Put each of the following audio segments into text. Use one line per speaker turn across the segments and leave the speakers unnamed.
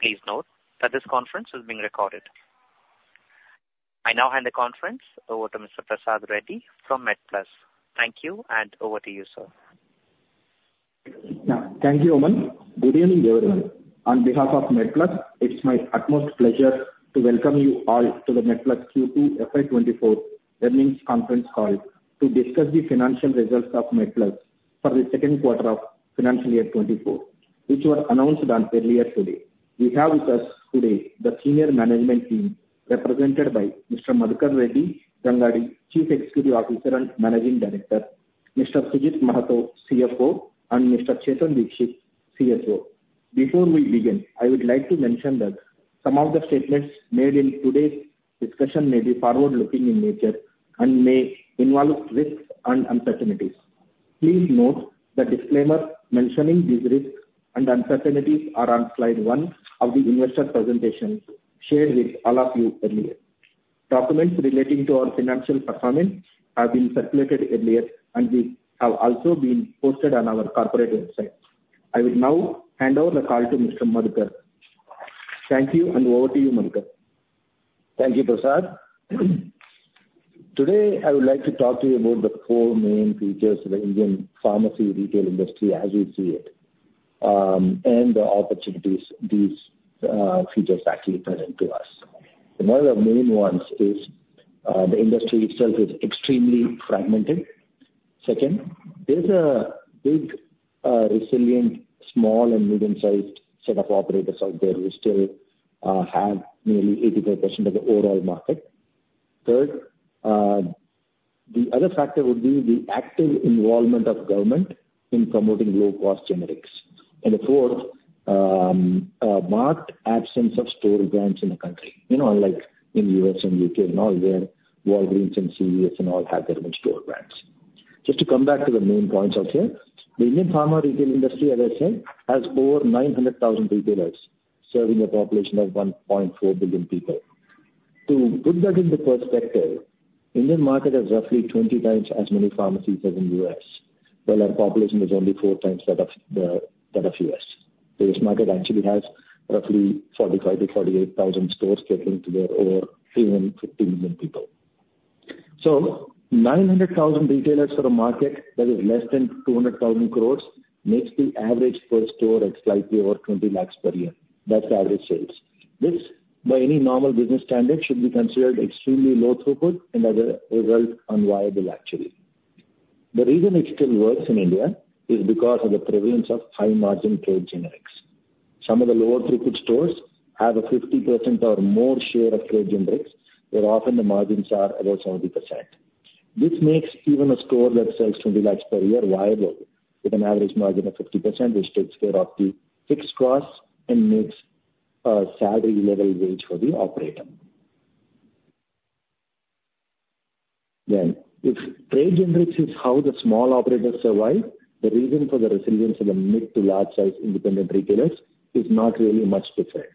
Please note that this conference is being recorded. I now hand the conference over to Mr. Prasad Reddy from MedPlus. Thank you, and over to you, sir.
Thank you, Aman. Good evening, everyone. On behalf of MedPlus, it's my utmost pleasure to welcome you all to the MedPlus Q2 FY 2024 earnings conference call to discuss the financial results of MedPlus for the second quarter of financial year 2024, which were announced earlier today. We have with us today the senior management team represented by Mr. Gangadi Madhukar Reddy, Chief Executive Officer and Managing Director, Mr. Sujit Mahato, CFO, and Mr. Chetan Dikshit, CSO. Before we begin, I would like to mention that some of the statements made in today's discussion may be forward-looking in nature and may involve risks and uncertainties. Please note the disclaimer mentioning these risks and uncertainties is on slide one of the investor presentation shared with all of you earlier. Documents relating to our financial performance have been circulated earlier, and they have also been posted on our corporate website. I will now hand over the call to Mr. Madhukar. Thank you, and over to you, Madhukar.
Thank you, Prasad. Today, I would like to talk to you about the four main features of the Indian pharmacy retail industry as we see it, and the opportunities these features actually present to us. One of the main ones is the industry itself is extremely fragmented. Second, there's a big, resilient, small, and medium-sized set of operators out there who still have nearly 85% of the overall market. Third, the other factor would be the active involvement of government in promoting low-cost generics. And the fourth, marked absence of store brands in the country, unlike in the U.S. and U.K. and all where Walgreens and CVS and all have their own store brands. Just to come back to the main points out here, the Indian pharma retail industry, as I said, has over 900,000 retailers serving a population of 1.4 billion people. To put that in perspective, the Indian market has roughly 20 times as many pharmacies as in the U.S., while our population is only 4x that of the U.S. So this market actually has roughly 45,000-48,000 stores catering to over 350 million people. So 900,000 retailers for a market that is less than 200,000 crore makes the average per store at slightly over 20 lakh per year. That's average sales. This, by any normal business standard, should be considered extremely low-throughput and as a result, unviable, actually. The reason it still works in India is because of the prevalence of high-margin trade generics. Some of the lower-throughput stores have a 50% or more share of trade generics, where often the margins are above 70%. This makes even a store that sells 20 lakhs per year viable with an average margin of 50%, which takes care of the fixed costs and makes a salary-level wage for the operator. Then, if trade generics is how the small operators survive, the reason for the resilience of the mid to large-sized independent retailers is not really much different.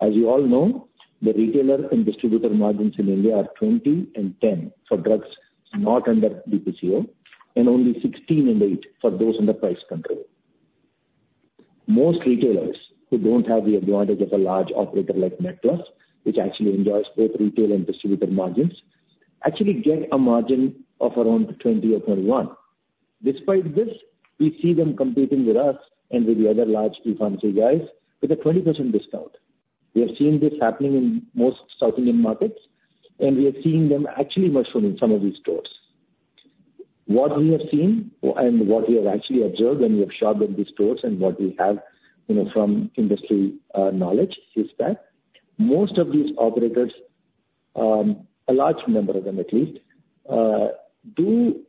As you all know, the retailer and distributor margins in India are 20 and 10 for drugs not under DPCO, and only 16 and 8 for those under price control. Most retailers who don't have the advantage of a large operator like MedPlus, which actually enjoys both retail and distributor margins, actually get a margin of around 20 or 21. Despite this, we see them competing with us and with the other large e-pharmacy guys with a 20% discount. We have seen this happening in most South Indian markets, and we are seeing them actually mushrooming some of these stores. What we have seen and what we have actually observed when we have shopped at these stores and what we have from industry knowledge is that most of these operators, a large number of them at least, do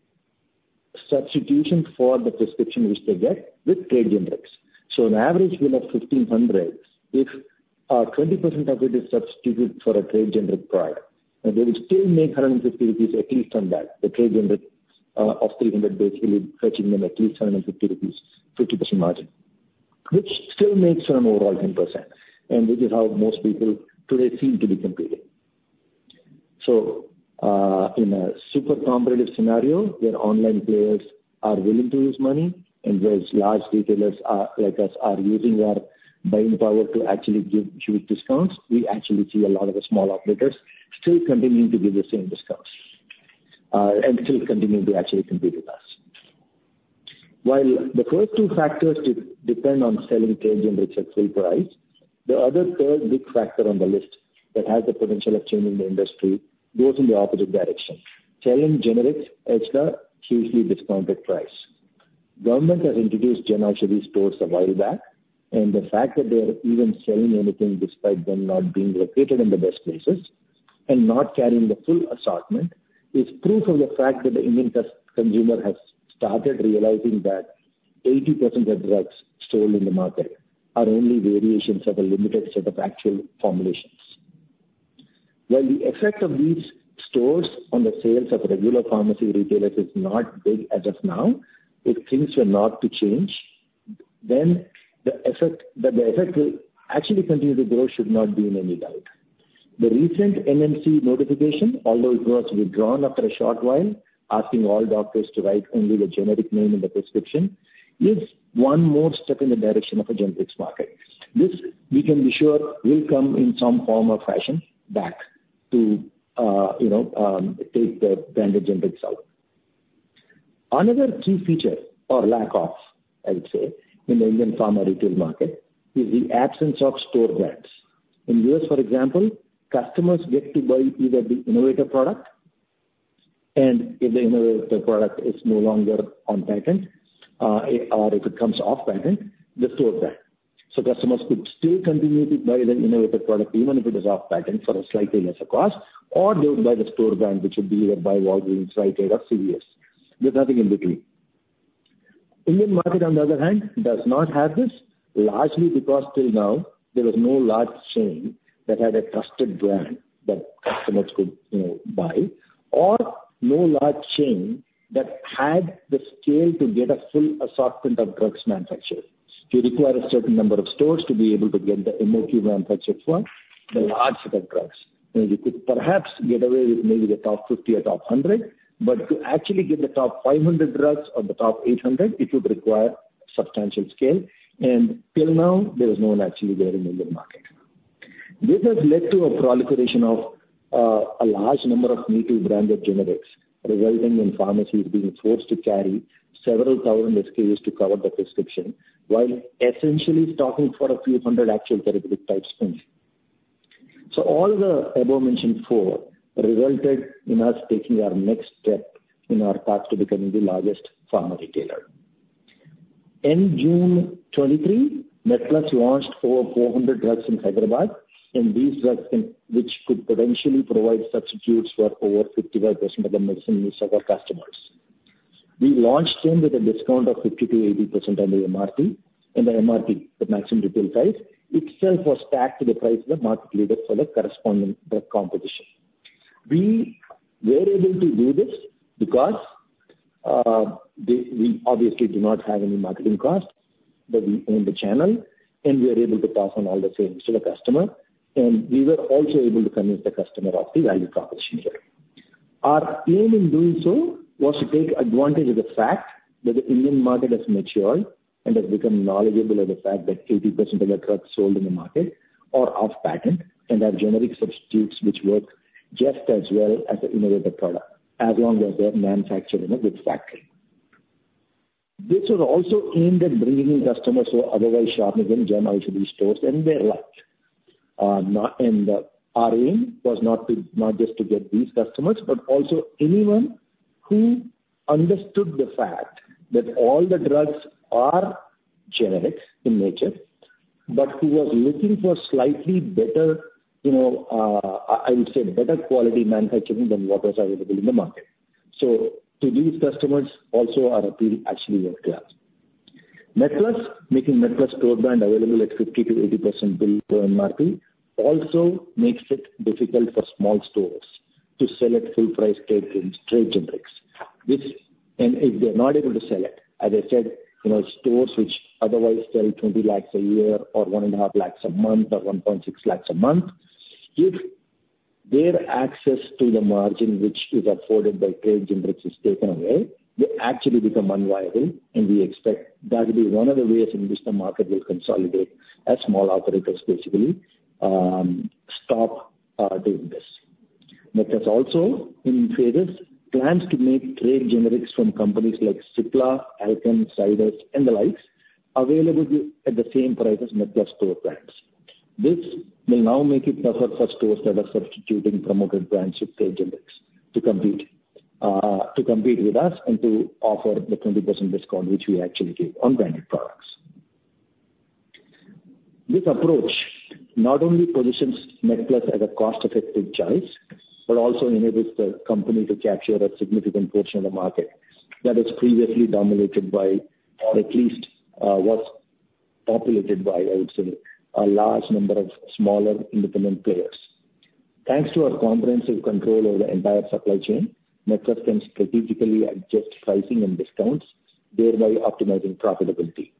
substitution for the prescription which they get with trade generics. So an average bill of 1,500, if 20% of it is substituted for a trade generic product, they will still make 150 rupees at least on that, the trade generic of 300, basically fetching them at least 150 rupees, 50% margin, which still makes an overall 10%, and which is how most people today seem to be competing. So in a super-competitive scenario where online players are willing to use money, and whereas large retailers like us are using our buying power to actually give huge discounts, we actually see a lot of the small operators still continuing to give the same discounts and still continuing to actually compete with us. While the first two factors depend on selling trade generics at full price, the other third big factor on the list that has the potential of changing the industry goes in the opposite direction: selling generics at a hugely discounted price. Government has introduced Jan Aushadhi stores a while back, and the fact that they are even selling anything despite them not being located in the best places and not carrying the full assortment is proof of the fact that the Indian consumer has started realizing that 80% of drugs sold in the market are only variations of a limited set of actual formulations. While the effect of these stores on the sales of regular pharmacy retailers is not big as of now, if things were not to change, then the effect will actually continue to grow, should not be in any doubt. The recent NMC notification, although it was withdrawn after a short while, asking all doctors to write only the generic name in the prescription, is one more step in the direction of a generics market. This, we can be sure, will come in some form or fashion back to take the branded generics out. Another key feature or lack of, I would say, in the Indian pharma retail market is the absence of store brands. In the U.S., for example, customers get to buy either the innovator product, and if the innovator product is no longer on patent or if it comes off patent, the store brand. So customers could still continue to buy the innovator product even if it is off patent for a slightly lesser cost, or they would buy the store brand, which would be either by Walgreens, Rite Aid, or CVS. There's nothing in between. The Indian market, on the other hand, does not have this, largely because till now, there was no large chain that had a trusted brand that customers could buy or no large chain that had the scale to get a full assortment of drugs manufactured. You require a certain number of stores to be able to get the MOQ manufactured for the large set of drugs. You could perhaps get away with maybe the top 50 or top 100, but to actually get the top 500 drugs or the top 800, it would require substantial scale. And till now, there is no one actually there in the Indian market. This has led to a proliferation of a large number of non-branded generics, resulting in pharmacies being forced to carry several thousand SKUs to cover the prescription while essentially stocking for a few hundred actual therapeutic types only. So all of the above-mentioned four resulted in us taking our next step in our path to becoming the largest pharma retailer. In June 2023, MedPlus launched over 400 drugs in Hyderabad, and these drugs, which could potentially provide substitutes for over 55% of the medicine needs of our customers. We launched them with a discount of 50%-80% on the MRP, and the MRP, the maximum retail price, itself was tacked to the price of the market leader for the corresponding drug composition. We were able to do this because we obviously do not have any marketing cost, but we own the channel, and we are able to pass on all the sales to the customer. And we were also able to convince the customer of the value proposition here. Our aim in doing so was to take advantage of the fact that the Indian market has matured and has become knowledgeable of the fact that 80% of the drugs sold in the market are off patent and have generic substitutes which work just as well as the innovator product, as long as they're manufactured in a good factory. This was also aimed at bringing customers who are otherwise shopping in Jan Aushadhi stores and their like. And our aim was not just to get these customers, but also anyone who understood the fact that all the drugs are generics in nature, but who was looking for slightly better, I would say, better quality manufacturing than what was available in the market. So to these customers also, our appeal actually worked well. Making MedPlus store brand available at 50%-80% bill per MRP also makes it difficult for small stores to sell at full-price trade generics. And if they're not able to sell it, as I said, stores which otherwise sell 20 lakh a year or 1.5 lakh a month or 1.6 lakh a month, if their access to the margin which is afforded by trade generics is taken away, they actually become unviable, and we expect that to be one of the ways in which the market will consolidate as small operators, basically, stop doing this. MedPlus also, in phases, plans to make trade generics from companies like Cipla, Alkem, Zydus, and the likes available at the same price as MedPlus store brands. This will now make it tougher for stores that are substituting promoted brands with trade generics to compete with us and to offer the 20% discount which we actually give on branded products. This approach not only positions MedPlus as a cost-effective choice, but also enables the company to capture a significant portion of the market that was previously dominated by or at least was populated by, I would say, a large number of smaller independent players. Thanks to our comprehensive control over the entire supply chain, MedPlus can strategically adjust pricing and discounts, thereby optimizing profitability.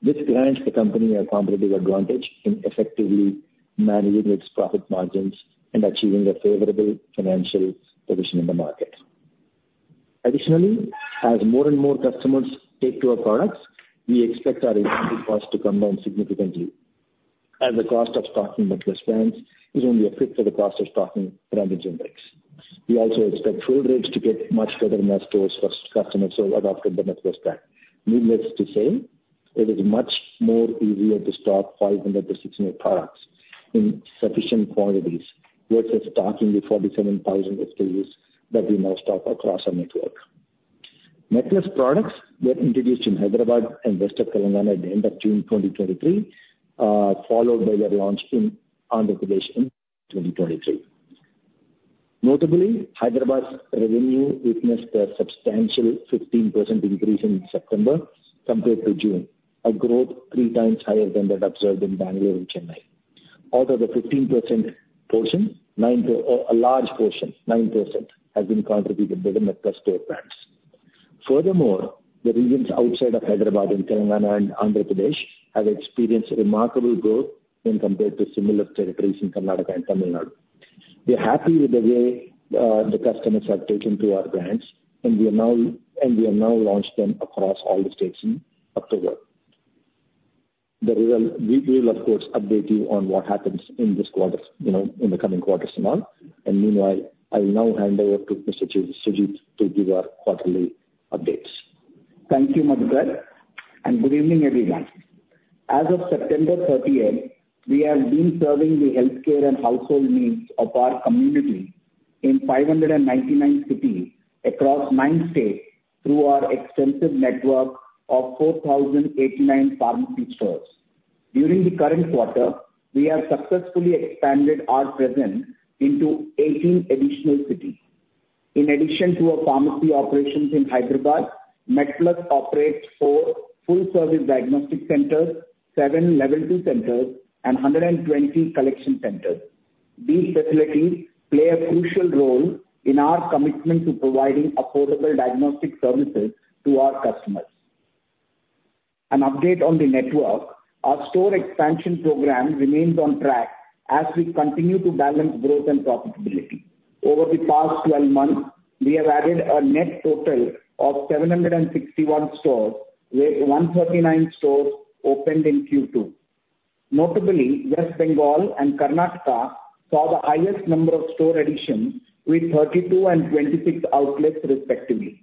This grants the company a competitive advantage in effectively managing its profit margins and achieving a favorable financial position in the market. Additionally, as more and more customers take to our products, we expect our inventory costs to come down significantly, as the cost of stocking MedPlus brands is only a fifth of the cost of stocking branded generics. We also expect fill rates to get much better in our stores for customers who have adopted the MedPlus brand. Needless to say, it is much more easier to stock 500-600 products in sufficient quantities versus stocking the 47,000 SKUs that we now stock across our network. MedPlus products were introduced in Hyderabad and rest of Telangana at the end of June 2023, followed by their launch in the villages in 2023. Notably, Hyderabad's revenue witnessed a substantial 15% increase in September compared to June, a growth three times higher than that observed in Bangalore and Chennai. Out of the 15% portion, a large portion, 9%, has been contributed by the MedPlus store brands. Furthermore, the regions outside of Hyderabad in Telangana and Andhra Pradesh have experienced remarkable growth when compared to similar territories in Karnataka and Tamil Nadu. We are happy with the way the customers have taken to our brands, and we have now launched them across all the states in October. We will, of course, update you on what happens in the coming quarters and all. Meanwhile, I will now hand over to Mr. Sujit to give our quarterly updates.
Thank you, Madhukar. And good evening, everyone. As of September 30th, we have been serving the healthcare and household needs of our community in 599 cities across nine states through our extensive network of 4,089 pharmacy stores. During the current quarter, we have successfully expanded our presence into 18 additional cities. In addition to our pharmacy operations in Hyderabad, MedPlus operates four full-service diagnostic centers, seven level two centers, and 120 collection centers. These facilities play a crucial role in our commitment to providing affordable diagnostic services to our customers. An update on the network: our store expansion program remains on track as we continue to balance growth and profitability. Over the past 12 months, we have added a net total of 761 stores, with 139 stores opened in Q2. Notably, West Bengal and Karnataka saw the highest number of store additions, with 32 and 26 outlets, respectively.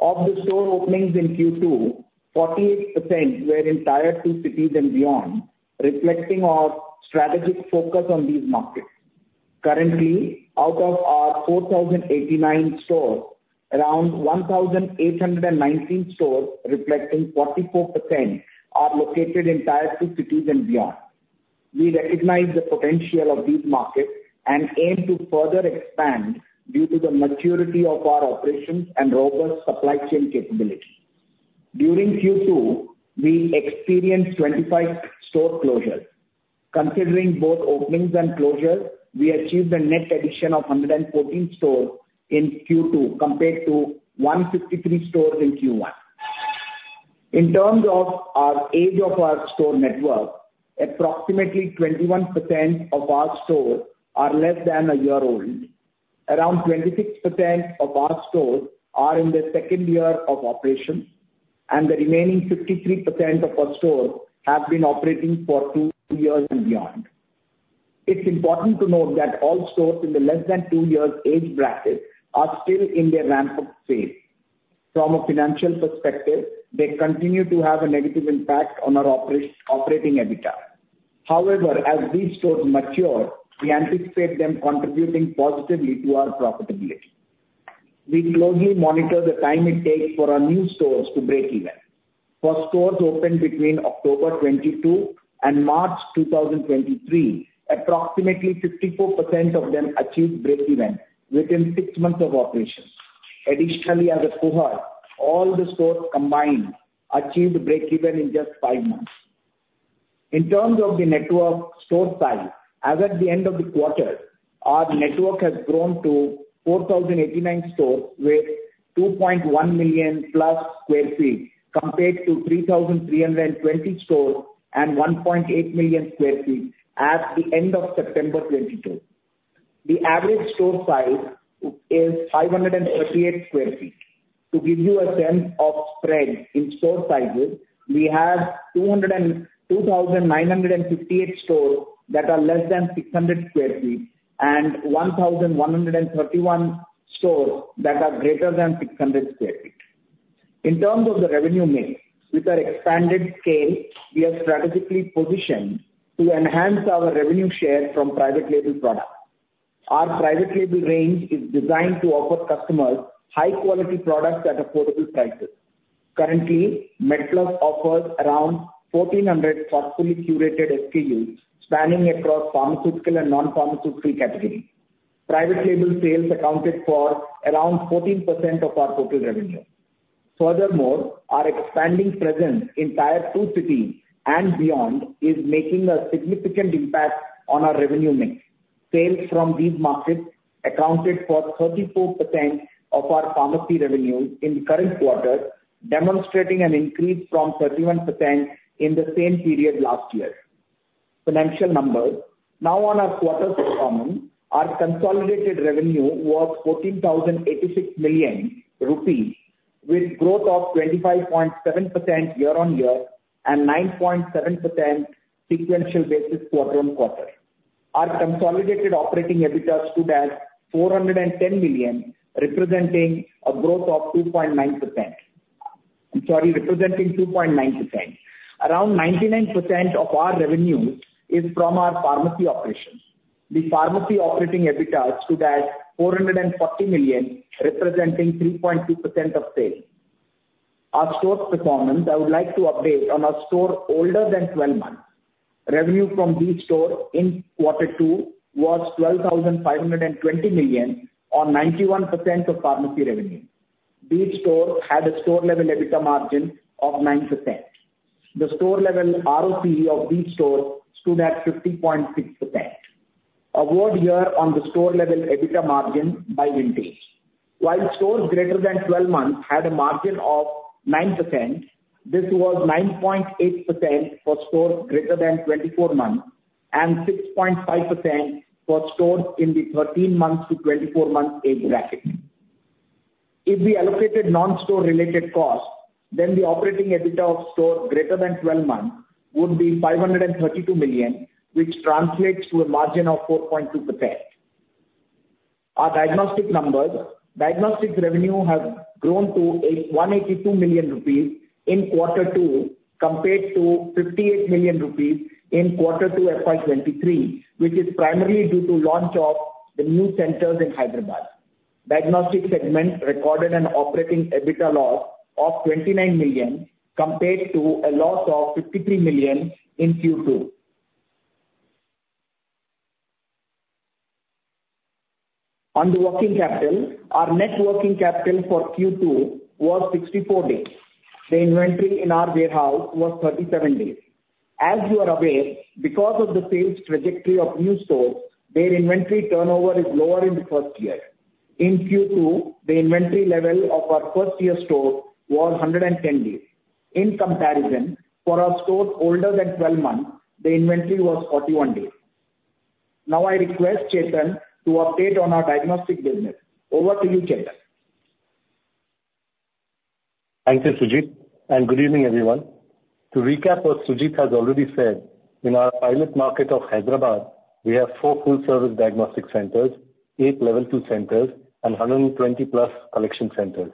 Of the store openings in Q2, 48% were in Tier 2 cities and beyond, reflecting our strategic focus on these markets. Currently, out of our 4,089 stores, around 1,819 stores reflecting 44% are located in Tier 2 cities and beyond. We recognize the potential of these markets and aim to further expand due to the maturity of our operations and robust supply chain capability. During Q2, we experienced 25 store closures. Considering both openings and closures, we achieved a net addition of 114 stores in Q2 compared to 153 stores in Q1. In terms of the age of our store network, approximately 21% of our stores are less than a year old. Around 26% of our stores are in their second year of operation, and the remaining 53% of our stores have been operating for two years and beyond. It's important to note that all stores in the less than two years age bracket are still in their ramp-up phase. From a financial perspective, they continue to have a negative impact on our operating EBITDA. However, as these stores mature, we anticipate them contributing positively to our profitability. We closely monitor the time it takes for our new stores to break even. For stores opened between October 2022 and March 2023, approximately 54% of them achieved break-even within six months of operation. Additionally, as a cohort, all the stores combined achieved break-even in just five months. In terms of the network store size, as at the end of the quarter, our network has grown to 4,089 stores with 2.1 million+ sq ft compared to 3,320 stores and 1.8 million sq ft at the end of September 2022. The average store size is 538 sq ft. To give you a sense of spread in store sizes, we have 2,958 stores that are less than 600 sq ft and 1,131 stores that are greater than 600 sq ft. In terms of the revenue mix, with our expanded scale, we are strategically positioned to enhance our revenue share from private label products. Our private label range is designed to offer customers high-quality products at affordable prices. Currently, MedPlus offers around 1,400 thoughtfully curated SKUs spanning across pharmaceutical and non-pharmaceutical categories. Private label sales accounted for around 14% of our total revenue. Furthermore, our expanding presence in Tier two cities and beyond is making a significant impact on our revenue mix. Sales from these markets accounted for 34% of our pharmacy revenue in the current quarter, demonstrating an increase from 31% in the same period last year. Financial numbers: now on our quarter's performance, our consolidated revenue was 14,086 million rupees, with growth of 25.7% year-on-year and 9.7% sequential basis quarter-on-quarter. Our consolidated operating EBITDA stood at 410 million, representing a growth of 2.9%. I'm sorry, representing 2.9%. Around 99% of our revenue is from our pharmacy operations. The pharmacy operating EBITDA stood at 440 million, representing 3.2% of sales. Our store performance, I would like to update on our store older than 12 months. Revenue from these stores in quarter two was 12,520 million on 91% of pharmacy revenue. These stores had a store-level EBITDA margin of 9%. The store-level ROCE of these stores stood at 50.6%. Year-on-year on the store-level EBITDA margin by vintage. While stores greater than 12 months had a margin of 9%, this was 9.8% for stores greater than 24 months and 6.5% for stores in the 13 months to 24 months age bracket. If we allocated non-store-related costs, then the operating EBITDA of stores greater than 12 months would be 532 million, which translates to a margin of 4.2%. Our diagnostic numbers: diagnostics revenue has grown to 182 million rupees in quarter two compared to 58 million rupees in quarter two FY 2023, which is primarily due to launch of the new centers in Hyderabad. Diagnostic segment recorded an operating EBITDA loss of 29 million compared to a loss of 53 million in Q2. On the working capital, our net working capital for Q2 was 64 days. The inventory in our warehouse was 37 days. As you are aware, because of the sales trajectory of new stores, their inventory turnover is lower in the first year. In Q2, the inventory level of our first-year store was 110 days. In comparison, for our store older than 12 months, the inventory was 41 days. Now I request Chetan to update on our diagnostic business. Over to you, Chetan.
Thank you, Sujit. Good evening, everyone. To recap what Sujit has already said, in our pilot market of Hyderabad, we have four full-service diagnostic centers, eight level two centers, and 120-plus collection centers.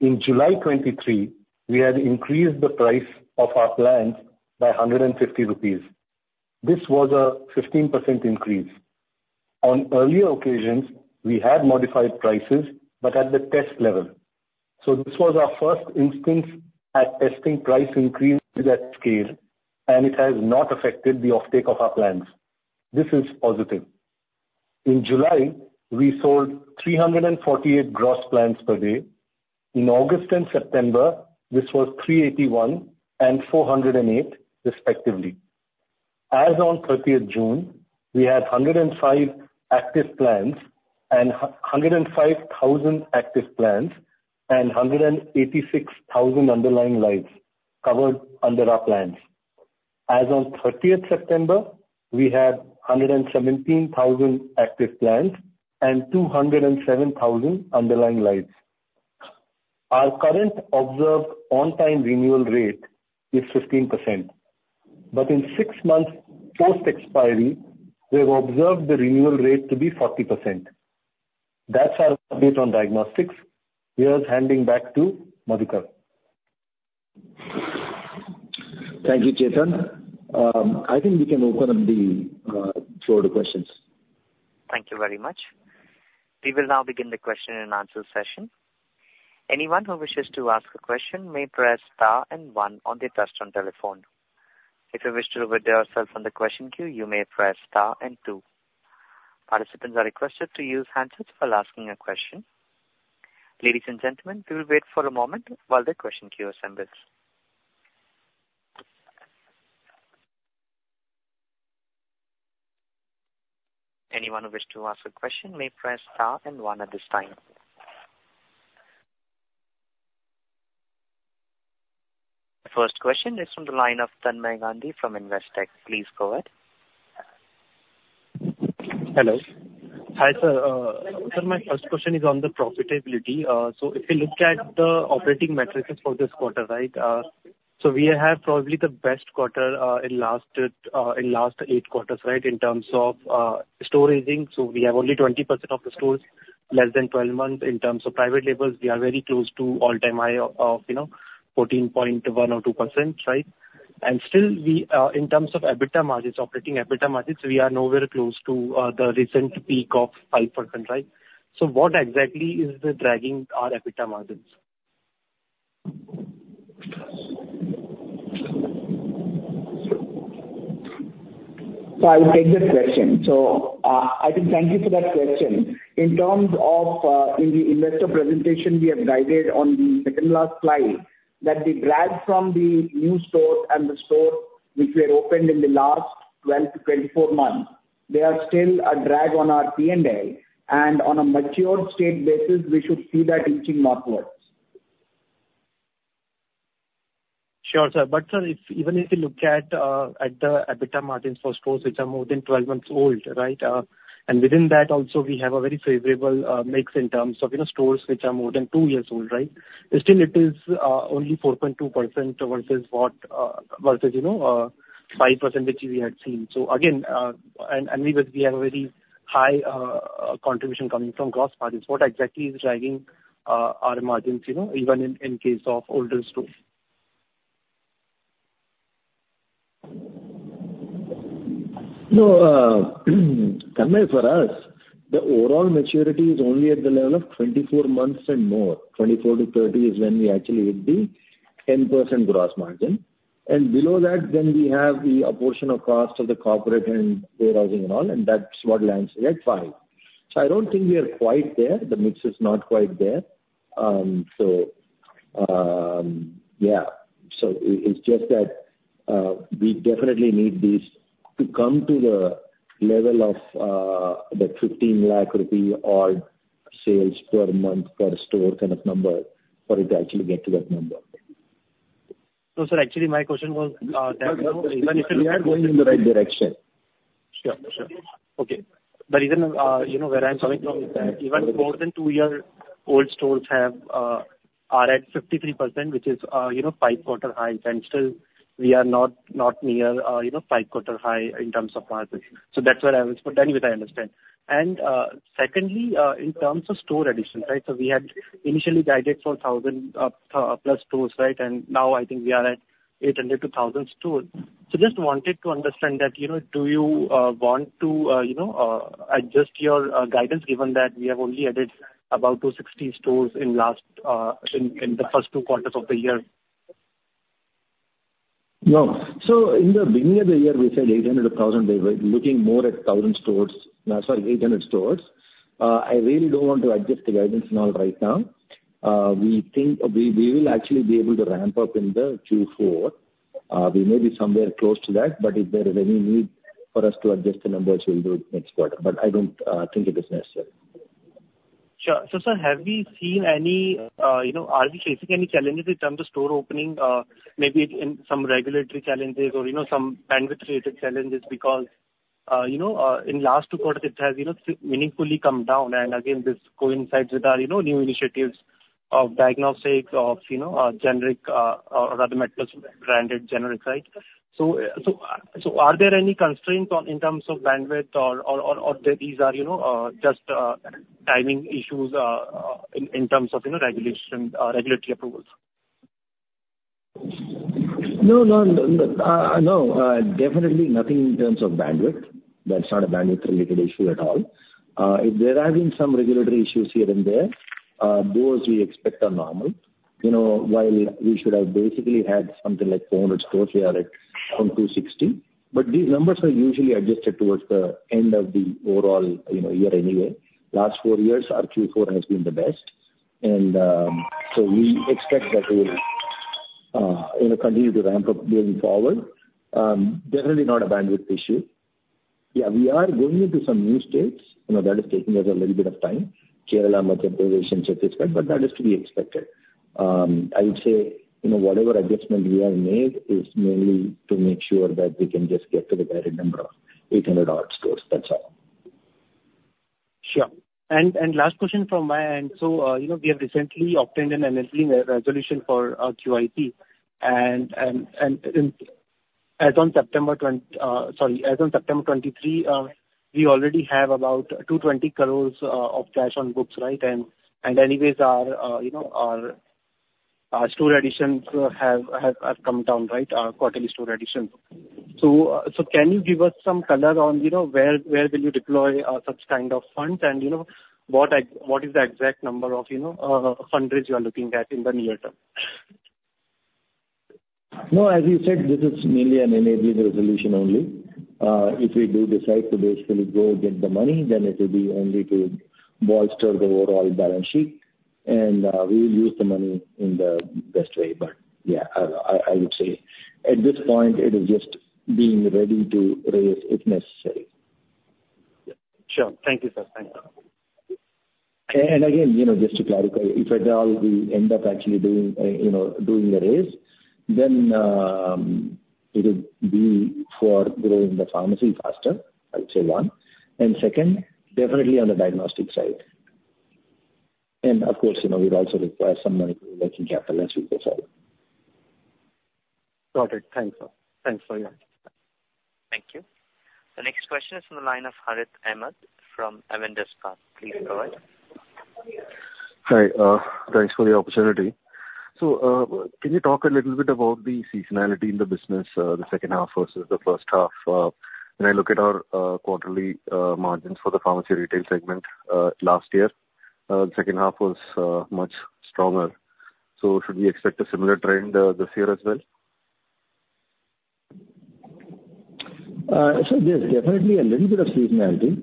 In July 2023, we had increased the price of our plans by 150 rupees. This was a 15% increase. On earlier occasions, we had modified prices, but at the test level. So this was our first instance at testing price increases at scale, and it has not affected the uptake of our plans. This is positive. In July, we sold 348 gross plans per day. In August and September, this was 381 and 408, respectively. As on 30th June, we had 105,000 active plans and 186,000 underlying lives covered under our plans. As on 30th September, we had 117,000 active plans and 207,000 underlying lives. Our current observed on-time renewal rate is 15%. But in six months post-expiry, we have observed the renewal rate to be 40%. That's our update on diagnostics. Here's handing back to Madhukar.
Thank you, Chetan. I think we can open up the floor to questions.
Thank you very much. We will now begin the question and answer session. Anyone who wishes to ask a question may press star and one on their touchscreen telephone. If you wish to await yourself on the question queue, you may press star and two. Participants are requested to use hands up while asking a question. Ladies and gentlemen, we will wait for a moment while the question queue assembles. Anyone who wishes to ask a question may press star and one at this time. The first question is from the line of Tanmay Gandhi from Investec. Please go ahead.
Hello. Hi, sir. Sir, my first question is on the profitability. So if you look at the operating metrics for this quarter, right, so we have probably the best quarter in last 8 quarters, right, in terms of store aging. So we have only 20% of the stores less than 12 months. In terms of private labels, we are very close to all-time high of 14.1% or 2%, right? And still, in terms of operating EBITDA margins, we are nowhere close to the recent peak of 5%, right? So what exactly is dragging our EBITDA margins?
I will take that question. I think thank you for that question. In terms of the investor presentation, we have guided on the second-largest slide that we grabbed from the new stores and the stores which were opened in the last 12-24 months. There is still a drag on our P&L. On a matured state basis, we should see that inching northwards.
Sure, sir. But sir, even if you look at the EBITDA margins for stores which are more than 12 months old, right, and within that, also, we have a very favorable mix in terms of stores which are more than two years old, right, still, it is only 4.2% versus what versus 5% which we had seen. So again, and we have a very high contribution coming from gross margins. What exactly is dragging our margins, even in case of older stores?
No, Tanmay, for us, the overall maturity is only at the level of 24 months and more. 24-30 is when we actually hit the 10% gross margin. Below that, then we have the apportion of cost of the corporate and warehousing and all, and that's what lands at 5%. So I don't think we are quite there. The mix is not quite there. So yeah. So it's just that we definitely need these to come to the level of the 15 lakh rupee odd sales per month per store kind of number for it to actually get to that number.
No, sir. Actually, my question was that even if you look at.
No, we are going in the right direction.
Sure, sure. Okay. The reason where I'm coming from is that even more than two-year-old stores are at 53%, which is five-quarter highs, and still, we are not near five-quarter high in terms of margins. So that's where I was put. Anyway, I understand. And secondly, in terms of store additions, right, so we had initially guided 4,000+ stores, right, and now I think we are at 800-1,000 stores. So just wanted to understand that do you want to adjust your guidance given that we have only added about 260 stores in the first two quarters of the year?
No. So in the beginning of the year, we said 800-1,000. We were looking more at 1,000 stores. Sorry, 800 stores. I really don't want to adjust the guidance and all right now. We will actually be able to ramp up in the Q4. We may be somewhere close to that, but if there is any need for us to adjust the numbers, we'll do it next quarter. But I don't think it is necessary.
Sure. So sir, have we seen any? Are we facing any challenges in terms of store opening, maybe some regulatory challenges or some bandwidth-related challenges because in last two quarters, it has meaningfully come down? And again, this coincides with our new initiatives of diagnostics, of generic or other MedPlus-branded generics, right? So are there any constraints in terms of bandwidth, or these are just timing issues in terms of regulatory approvals?
No, no. No, definitely nothing in terms of bandwidth. That's not a bandwidth-related issue at all. If there have been some regulatory issues here and there, those we expect are normal. While we should have basically had something like 400 stores, we are at 260. But these numbers are usually adjusted towards the end of the overall year anyway. Last four years, our Q4 has been the best. So we expect that we will continue to ramp up going forward. Definitely not a bandwidth issue. Yeah, we are going into some new states. That is taking us a little bit of time, Kerala, Madhya Pradesh, and Chhattisgarh, but that is to be expected. I would say whatever adjustment we have made is mainly to make sure that we can just get to the guided number of 800-odd stores. That's all.
Sure. Last question from my end. We have recently obtained an in-principle approval for QIP. And as on September, sorry, as on September 23, we already have about 220 crore of cash on books, right? And anyways, our store additions have come down, right, our quarterly store additions. Can you give us some color on where will you deploy such kind of funds and what is the exact number of fundraise you are looking at in the near term?
No, as you said, this is mainly an enabling resolution only. If we do decide to basically go get the money, then it will be only to bolster the overall balance sheet. We will use the money in the best way. But yeah, I would say at this point, it is just being ready to raise if necessary.
Sure. Thank you, sir. Thank you.
And again, just to clarify, if at all we end up actually doing the raise, then it would be for growing the pharmacy faster, I would say, one. And second, definitely on the diagnostic side. And of course, we'd also require some money for working capital as we go forward.
Got it. Thanks, sir. Thanks, sir. Yeah.
Thank you. The next question is from the line of Harith Ahamed from Avendus Spark. Please go ahead.
Hi. Thanks for the opportunity. So can you talk a little bit about the seasonality in the business, the second half versus the first half? When I look at our quarterly margins for the pharmacy retail segment last year, the second half was much stronger. So should we expect a similar trend this year as well?
So there's definitely a little bit of seasonality.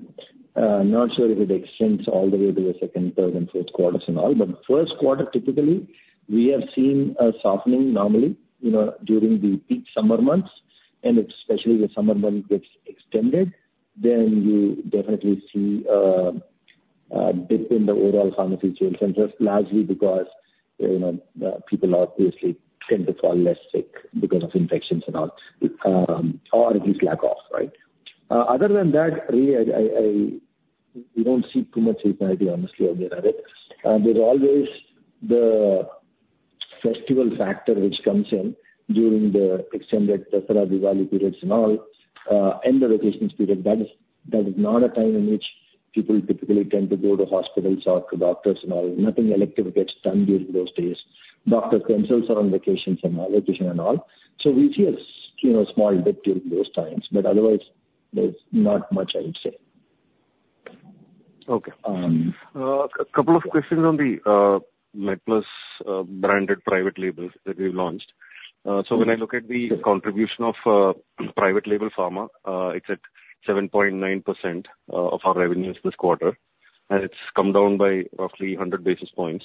Not sure if it extends all the way to the second, third, and fourth quarters and all. But first quarter, typically, we have seen a softening normally during the peak summer months. And especially the summer months gets extended, then you definitely see a dip in the overall pharmacy sales and just largely because people obviously tend to fall less sick because of infections and all, or at least lack of, right? Other than that, really, we don't see too much seasonality, honestly, on the other hand. There's always the festival factor which comes in during the extended Dussehra Diwali periods and all and the vacations period. That is not a time in which people typically tend to go to hospitals or to doctors and all. Nothing elective gets done during those days. Doctors themselves are on vacation and all. We see a small dip during those times. Otherwise, there's not much, I would say.
Okay. A couple of questions on the MedPlus-branded private labels that we've launched. So when I look at the contribution of private label pharma, it's at 7.9% of our revenues this quarter. It's come down by roughly 100 basis points.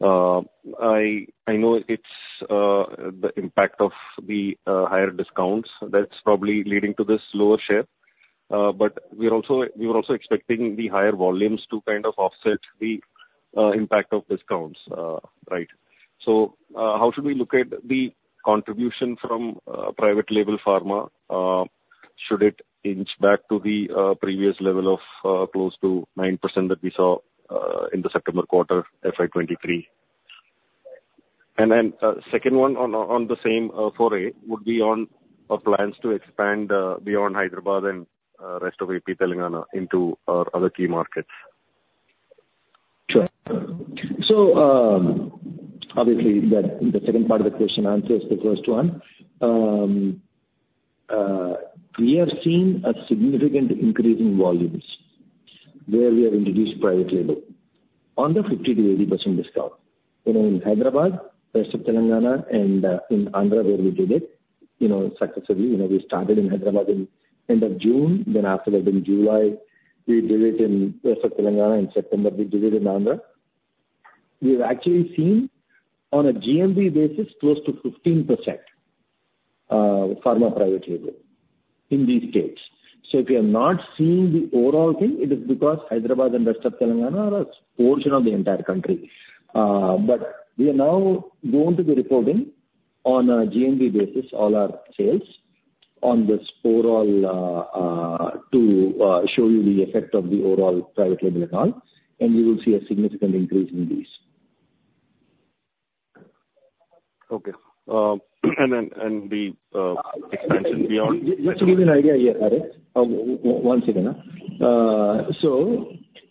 I know it's the impact of the higher discounts that's probably leading to this lower share. We were also expecting the higher volumes to kind of offset the impact of discounts, right? How should we look at the contribution from private label pharma? Should it inch back to the previous level of close to 9% that we saw in the September quarter, FY 2023? Then second one on the same foray would be on plans to expand beyond Hyderabad and rest of AP Telangana into our other key markets.
Sure. So obviously, the second part of the question answers the first one. We have seen a significant increase in volumes where we have introduced private label on the 50%-80% discount. In Hyderabad, rest of Telangana, and in Andhra, where we did it successively. We started in Hyderabad in end of June. Then after that, in July, we did it in rest of Telangana. In September, we did it in Andhra. We have actually seen, on a GMV basis, close to 15% pharma private label in these states. So if you are not seeing the overall thing, it is because Hyderabad and rest of Telangana are a portion of the entire country. But we are now going to be reporting on a GMV basis, all our sales, on this overall to show you the effect of the overall private label and all. You will see a significant increase in these.
Okay. And then the expansion beyond.
Just to give you an idea, yeah, Harith, once again. So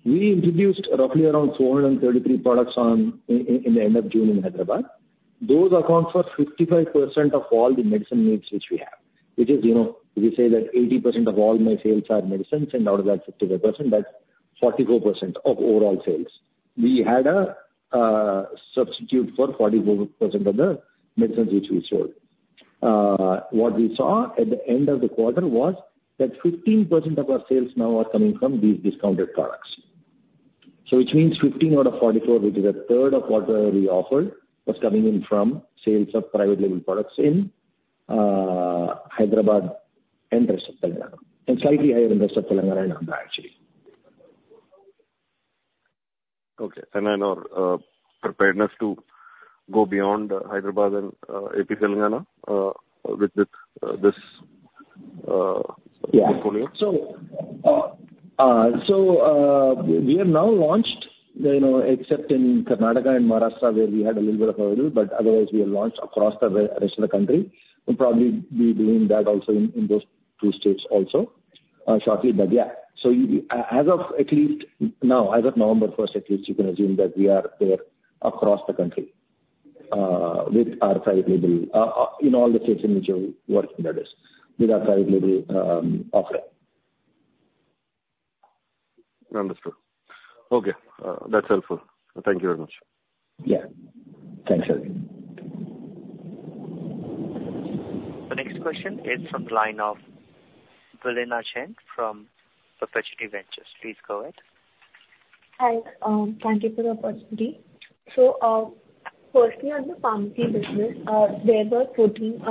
we introduced roughly around 433 products in the end of June in Hyderabad. Those account for 55% of all the medicine needs which we have, which is if you say that 80% of all my sales are medicines and out of that 55%, that's 44% of overall sales. We had a substitute for 44% of the medicines which we sold. What we saw at the end of the quarter was that 15% of our sales now are coming from these discounted products, which means 15 out of 44, which is a third of what we offered, was coming in from sales of private label products in Hyderabad and rest of Telangana and slightly higher in rest of Telangana and Andhra, actually.
Okay. And then our preparedness to go beyond Hyderabad and AP Telangana with this portfolio?
Yeah. So we have now launched, except in Karnataka and Maharashtra, where we had a little bit of a hurdle. But otherwise, we have launched across the rest of the country. We'll probably be doing that also in those two states also shortly. But yeah. So at least now, as of November 1st, at least, you can assume that we are there across the country with our private label in all the states in which we're working, that is, with our private label offering.
Understood. Okay. That's helpful. Thank you very much.
Yeah. Thanks, Harith.
The next question is from the line of Vilina Jain from Perpetuity Ventures. Please go ahead.
Hi. Thank you for the opportunity. Firstly, on the pharmacy business, there were 14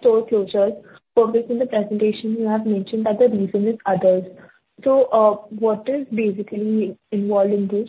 store closures. But within the presentation, you have mentioned that the reason is others. What is basically involved in this?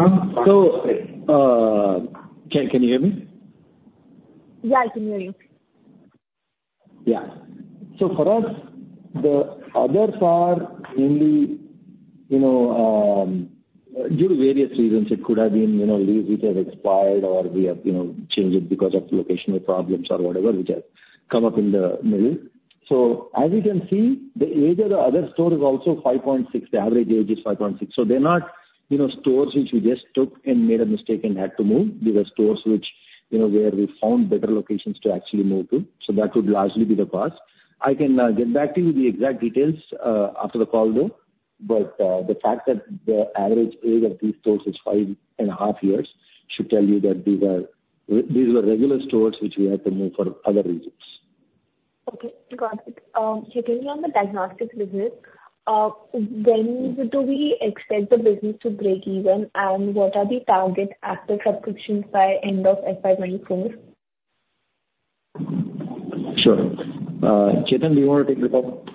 One second. Can you hear me?
Yeah, I can hear you.
Yeah. So for us, the others are mainly due to various reasons. It could have been lease which has expired, or we have changed it because of locational problems or whatever, which has come up in the middle. So as you can see, the age of the other store is also 5.6. The average age is 5.6. So they're not stores which we just took and made a mistake and had to move. These are stores where we found better locations to actually move to. So that would largely be the cause. I can get back to you with the exact details after the call, though. But the fact that the average age of these stores is five and a half years should tell you that these were regular stores which we had to move for other reasons.
Okay. Got it. Chetan, on the diagnostics business, when do we expect the business to break even? And what are the target after subscriptions by end of FY24?
Sure. Chetan, do you want to take the call?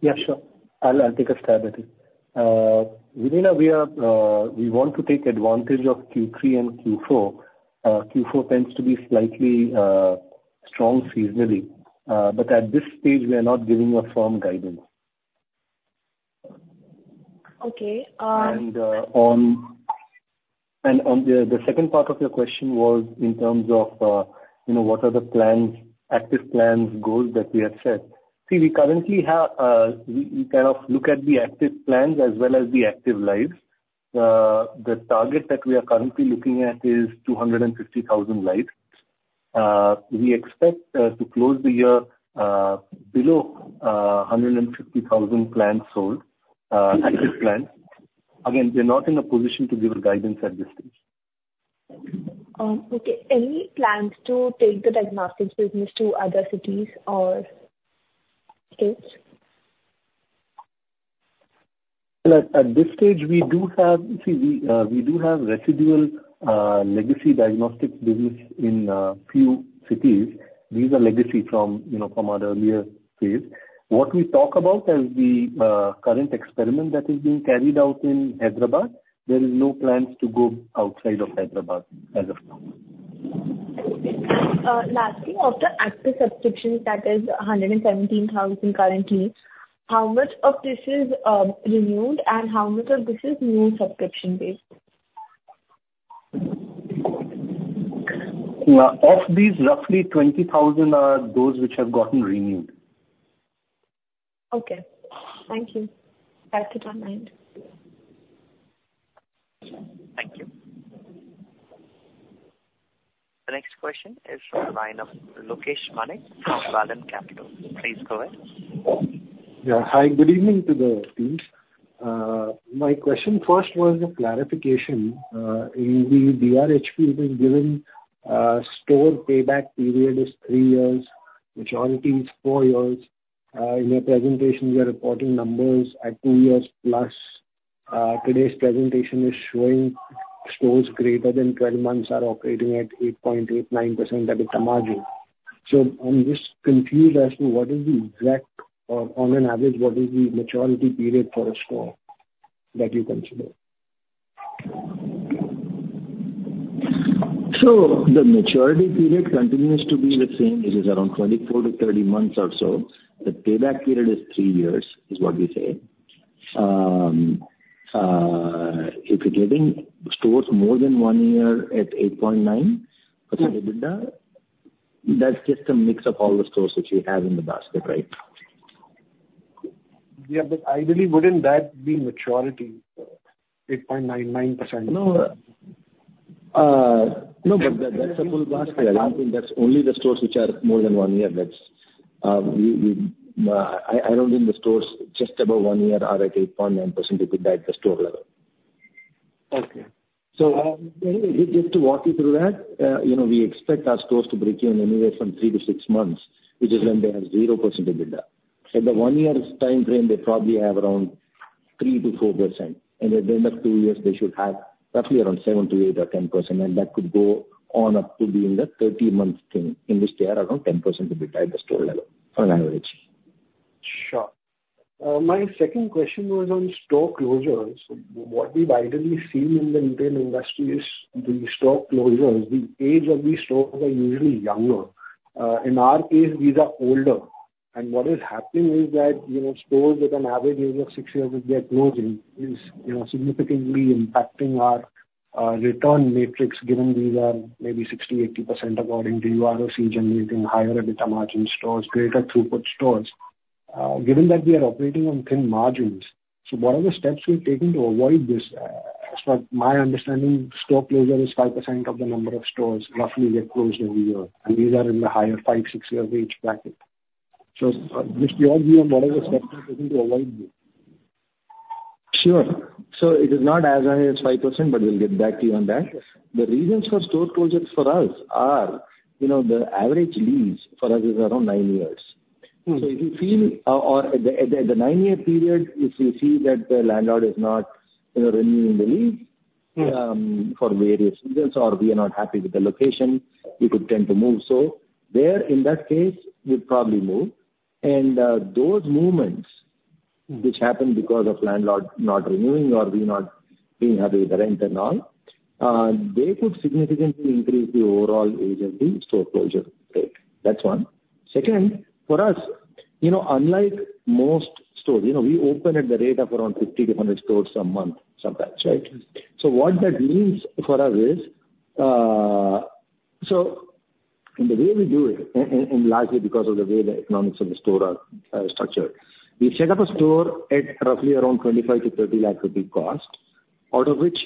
Yeah, sure. I'll take a stab at it. Vilina, we want to take advantage of Q3 and Q4. Q4 tends to be slightly strong seasonally. But at this stage, we are not giving you a firm guidance.
Okay.
The second part of your question was in terms of what are the active plans, goals that we have set. See, we currently have, we kind of look at the active plans as well as the active lives. The target that we are currently looking at is 250,000 lives. We expect to close the year below 150,000 plans sold, active plans. Again, we're not in a position to give a guidance at this stage.
Okay. Any plans to take the diagnostics business to other cities or states?
At this stage, we do have residual legacy diagnostics business in a few cities. These are legacy from our earlier phase. What we talk about as the current experiment that is being carried out in Hyderabad, there is no plans to go outside of Hyderabad as of now.
Okay. Lastly, of the active subscriptions that is 117,000 currently, how much of this is renewed and how much of this is new subscription-based?
Of these, roughly 20,000 are those which have gotten renewed.
Okay. Thank you. That's it on my end.
Thank you. The next question is from the line of Lokesh Manik from Vallum Capital. Please go ahead.
Yeah. Hi. Good evening to the team. My question first was a clarification. In the DRHP, we've been given store payback period is three years. Majority is four years. In your presentation, you are reporting numbers at 2+ years. Today's presentation is showing stores greater than 12 months are operating at 8.89% EBITDA margin. So I'm just confused as to what is the exact or on an average, what is the maturity period for a store that you consider?
The maturity period continues to be the same. It is around 24-30 months or so. The payback period is 3 years is what we say. If you're getting stores more than 1 year at 8.9% EBITDA, that's just a mix of all the stores which we have in the basket, right?
Yeah. But ideally, wouldn't that be maturity, 8.99%?
No. No, but that's a full basket. I don't think that's only the stores which are more than one year. I don't think the stores just above one year are at 8.9% EBITDA at the store level.
Okay.
Just to walk you through that, we expect our stores to break even anywhere from 3-6 months, which is when they have 0% EBITDA. At the one year time frame, they probably have around 3%-4%. At the end of two years, they should have roughly around 7%-8% or 10%. That could go on up to being a 30-month thing in which they are around 10% EBITDA at the store level, on average.
Sure. My second question was on store closures. What we've ideally seen in the retail industry is the store closures. The age of these stores are usually younger. In our case, these are older. And what is happening is that stores with an average age of 6 years that they are closing is significantly impacting our return metrics given these are maybe 60%-80% according to ROCE, generating higher EBITDA margin stores, greater throughput stores. Given that we are operating on thin margins, so what are the steps we've taken to avoid this? As far as my understanding, store closure is 5% of the number of stores roughly get closed every year. And these are in the higher 5-6-year-age bracket. So just your view on what are the steps we're taking to avoid this?
Sure. So it is not as high as 5%, but we'll get back to you on that. The reasons for store closures for us are the average lease for us is around nine years. So if you feel or at the nine-year period, if you see that the landlord is not renewing the lease for various reasons or we are not happy with the location, we could tend to move so. There, in that case, we'd probably move. And those movements, which happen because of landlord not renewing or we not being happy with the rent and all, they could significantly increase the overall age of the store closure rate. That's one. Second, for us, unlike most stores, we open at the rate of around 50-100 stores a month sometimes, right? So what that means for us is so the way we do it, and largely because of the way the economics of the store are structured, we set up a store at roughly around 25-30 lakh rupee cost, out of which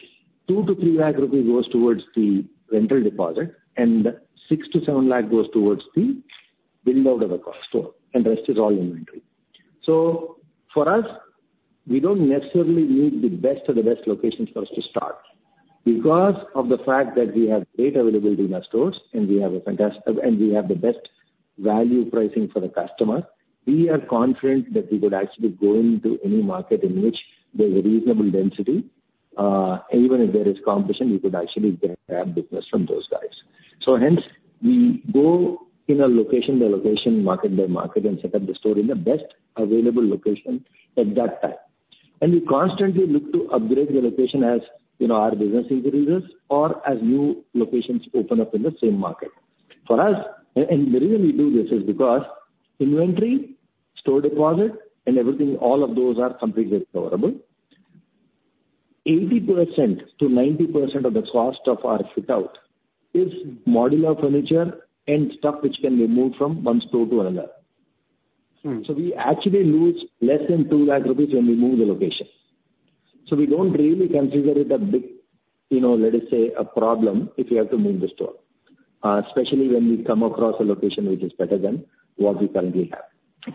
2-3 lakh rupee goes towards the rental deposit, and 6-7 lakh goes towards the build-out of a store. The rest is all inventory. For us, we don't necessarily need the best of the best locations for us to start because of the fact that we have great availability in our stores, and we have a fantastic and we have the best value pricing for the customer. We are confident that we could actually go into any market in which there's a reasonable density. Even if there is competition, we could actually grab business from those guys. So hence, we go in a location by location, market by market, and set up the store in the best available location at that time. And we constantly look to upgrade the location as our business increases or as new locations open up in the same market. And the reason we do this is because inventory, store deposit, and everything, all of those are completely recoverable. 80%-90% of the cost of our fit-out is modular furniture and stuff which can be moved from one store to another. So we actually lose less than 2 lakh rupees when we move the location. So we don't really consider it a big, let us say, a problem if we have to move the store, especially when we come across a location which is better than what we currently have.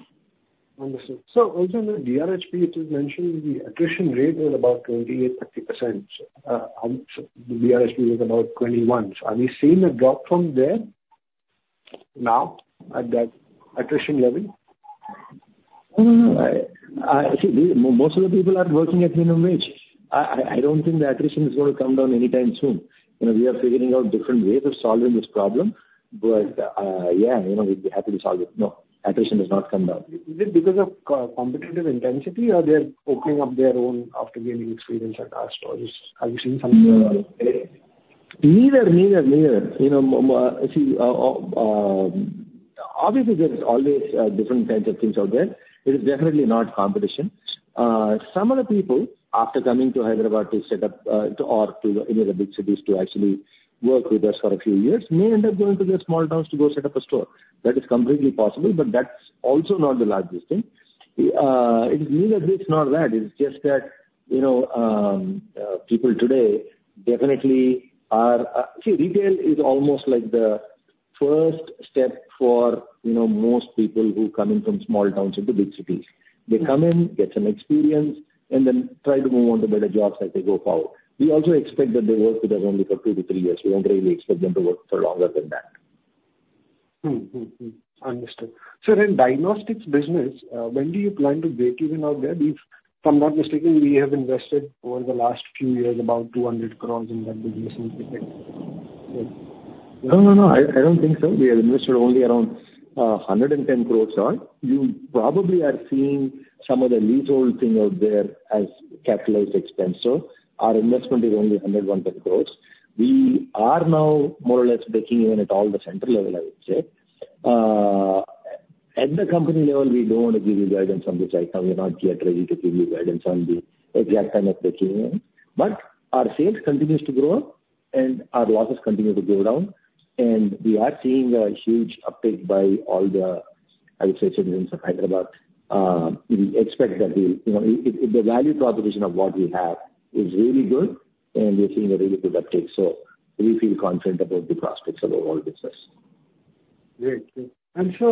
Understood. So also in the DRHP, it is mentioned the attrition rate is about 28%-30%. The DRHP was about 21%. So are we seeing a drop from there now at that attrition level?
No, no, no.
See, most of the people are working at minimum wage. I don't think the attrition is going to come down anytime soon. We are figuring out different ways of solving this problem. But yeah, we'd be happy to solve it. No, attrition has not come down. Is it because of competitive intensity, or they're opening up their own after gaining experience at our stores? Have you seen something like that? Neither, neither, neither. See, obviously, there's always different kinds of things out there. It is definitely not competition. Some of the people, after coming to Hyderabad to set up or to any of the big cities to actually work with us for a few years, may end up going to the small towns to go set up a store. That is completely possible. But that's also not the largest thing. It is neither this nor that. It's just that people today definitely are, see, retail is almost like the first step for most people who come in from small towns into big cities. They come in, get some experience, and then try to move on to better jobs as they go forward. We also expect that they work with us only for 2-3 years. We don't really expect them to work for longer than that.
Understood. So then diagnostics business, when do you plan to break even out there? If I'm not mistaken, we have invested over the last few years about 200 crore in that business?
No, no, no. I don't think so. We have invested only around 110 crores or. You probably are seeing some of the leasehold thing out there as capitalized expense. So our investment is only 110 crores. We are now more or less breaking even at all the central level, I would say. At the company level, we don't want to give you guidance on this right now. We're not yet ready to give you guidance on the exact time of breaking even. But our sales continues to grow, and our losses continue to go down. And we are seeing a huge uptake by all the, I would say, citizens of Hyderabad. We expect that the value proposition of what we have is really good, and we're seeing a really good uptake. So we feel confident about the prospects of our whole business.
Great. I'm sure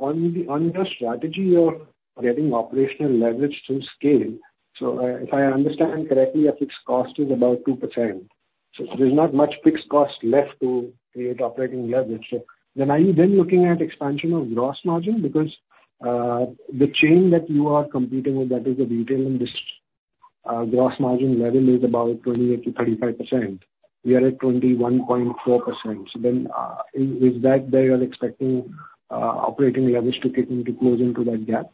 on your strategy, you're getting operational leverage to scale. So if I understand correctly, your fixed cost is about 2%. So there's not much fixed cost left to create operating leverage. So then are you then looking at expansion of gross margin? Because the chain that you are competing with, that is the retail and gross margin level, is about 28%-35%. We are at 21.4%. So then is that there you're expecting operating leverage to kick in to close into that gap?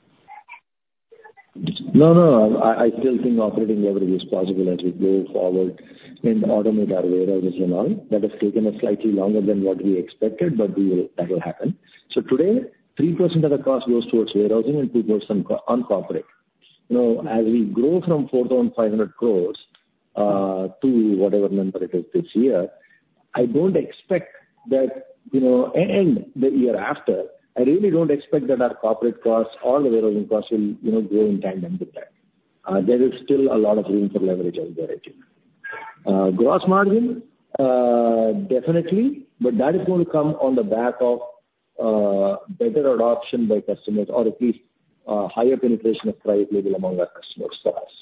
No, no. I still think operating leverage is possible as we go forward and automate our warehouses and all. That has taken us slightly longer than what we expected, but that will happen. So today, 3% of the cost goes towards warehousing and 2% on corporate. As we grow from 4,500 crores to whatever number it is this year, I don't expect that and the year after, I really don't expect that our corporate costs or the warehousing costs will grow in tandem with that. There is still a lot of room for leverage out there at you. Gross margin, definitely. But that is going to come on the back of better adoption by customers or at least higher penetration of private label among our customers for us.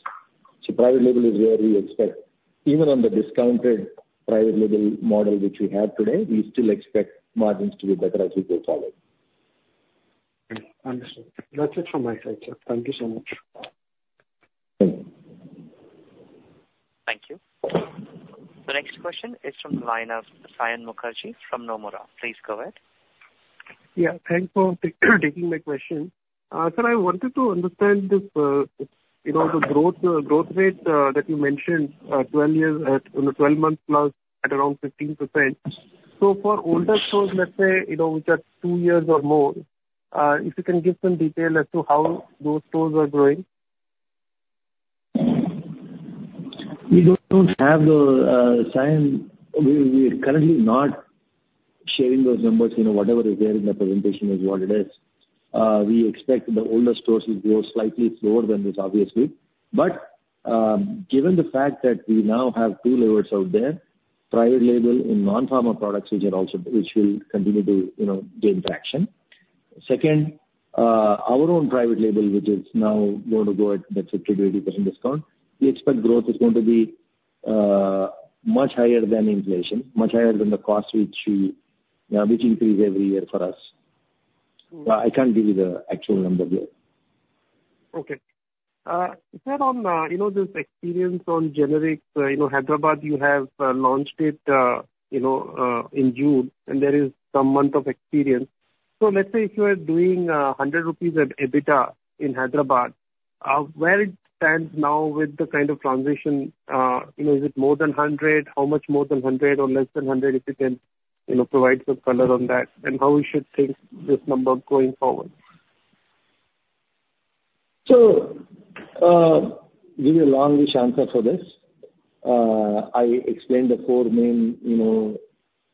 Private label is where we expect even on the discounted private label model which we have today, we still expect margins to be better as we go forward.
Understood. That's it from my side, sir. Thank you so much.
Thank you.
Thank you. The next question is from the line of Saion Mukherjee from Nomura. Please go ahead.
Yeah. Thanks for taking my question. Sir, I wanted to understand the growth rate that you mentioned, 12+ months at around 15%. So for older stores, let's say, which are two years or more, if you can give some detail as to how those stores are growing?
We don't have them. We're currently not sharing those numbers. Whatever is there in the presentation is what it is. We expect the older stores will grow slightly slower than this, obviously. But given the fact that we now have two levels out there, private label in non-pharma products which will continue to gain traction. Second, our own private label which is now going to go at the 50%-80% discount, we expect growth is going to be much higher than inflation, much higher than the cost which increases every year for us. I can't give you the actual number here.
Okay. Is that on this experience on generics? Hyderabad, you have launched it in June, and there is some months of experience. So let's say if you are doing 100 rupees EBITDA in Hyderabad, where it stands now with the kind of transition? Is it more than 100? How much more than 100 or less than 100 if you can provide some color on that? And how we should think this number going forward?
So, give you a long-winded answer for this. I explained the four main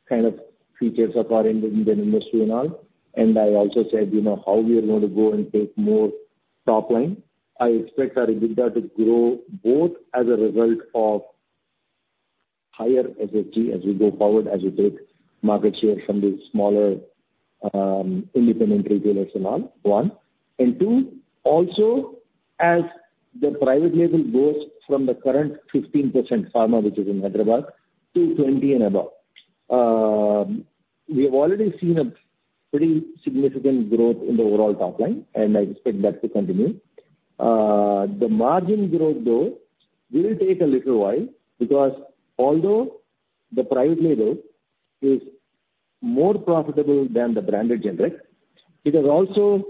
kind of features of our industry and all. And I also said how we are going to go and take more top line. I expect our EBITDA to grow both as a result of higher SSG as we go forward, as we take market share from these smaller independent retailers and all, one. And two, also, as the private label goes from the current 15% pharma which is in Hyderabad to 20% and above, we have already seen a pretty significant growth in the overall top line. And I expect that to continue. The margin growth, though, will take a little while because although the private label is more profitable than the branded generic, it has also,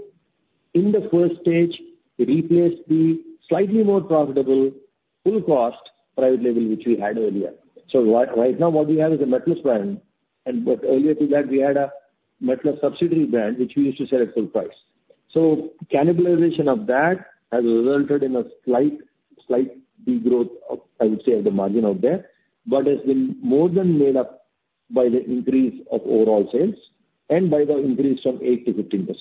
in the first stage, replaced the slightly more profitable full-cost private label which we had earlier. So right now, what we have is a MedPlus brand. And earlier to that, we had a MedPlus subsidiary brand which we used to sell at full price. So cannibalization of that has resulted in a slight degrowth, I would say, of the margin out there but has been more than made up by the increase of overall sales and by the increase from 8% to 15%.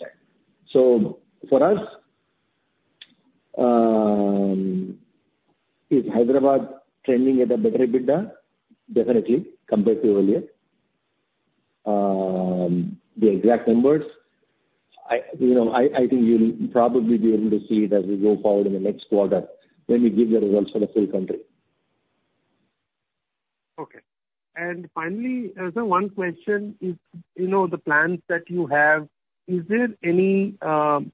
So for us, is Hyderabad trending at a better EBITDA? Definitely, compared to earlier. The exact numbers, I think you'll probably be able to see it as we go forward in the next quarter when we give the results for the full country.
Okay. And finally, sir, one question is the plans that you have, is there any scope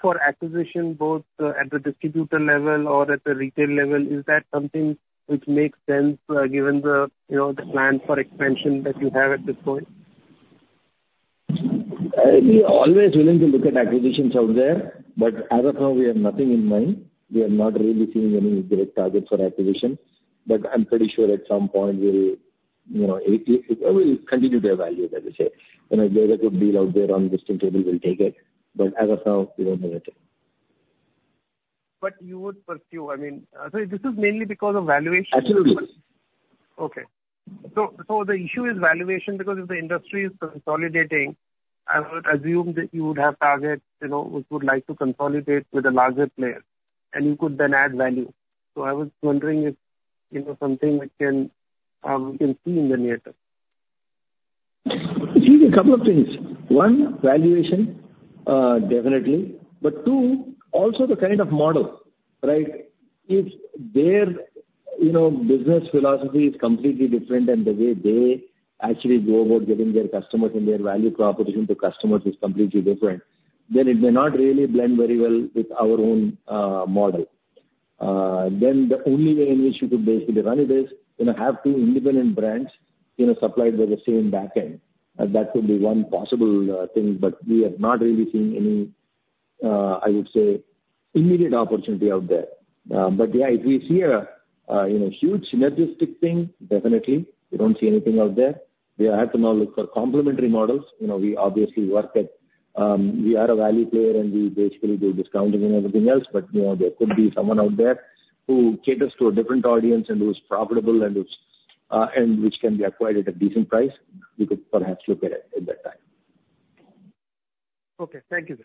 for acquisition both at the distributor level or at the retail level? Is that something which makes sense given the plan for expansion that you have at this point?
We are always willing to look at acquisitions out there. But as of now, we have nothing in mind. We are not really seeing any direct targets for acquisition. But I'm pretty sure at some point, we'll continue to evaluate, let us say. If there's a good deal out there on the listing table, we'll take it. But as of now, we don't know yet.
But you would pursue, I mean, so this is mainly because of valuation?
Absolutely.
Okay. So the issue is valuation because if the industry is consolidating, I would assume that you would have targets which would like to consolidate with a larger player. And you could then add value. So I was wondering if something we can see in the near term?
See, a couple of things. One, valuation, definitely. But two, also the kind of model, right? If their business philosophy is completely different and the way they actually go about getting their customers and their value proposition to customers is completely different, then it may not really blend very well with our own model. Then the only way in which you could basically run it is have two independent brands supplied by the same backend. That could be one possible thing. But we are not really seeing any, I would say, immediate opportunity out there. But yeah, if we see a huge synergistic thing, definitely. We don't see anything out there. We have to now look for complementary models. We obviously work at we are a value player, and we basically do discounting and everything else. But there could be someone out who caters to a different audience and who's profitable and which can be acquired at a decent price. We could perhaps look at it at that time.
Okay. Thank you, sir.